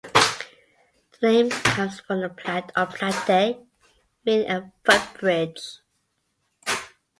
The name comes from "plat" or "platte" meaning a foot-bridge.